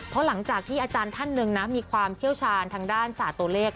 เพราะหลังจากที่อาจารย์มีความเชี่ยวชาญทางด้านสาตว์เลข